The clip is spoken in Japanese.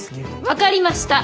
分かりました。